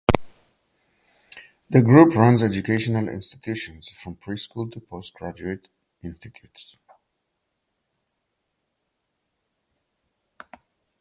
The group runs educational institutions from pre-school to post-graduate institutes.